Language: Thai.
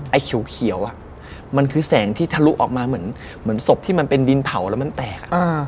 ไอ้เขียวมันคือแสงที่ทะลุออกมาเหมือนศพที่มันเป็นดินเผาแล้วมันแตก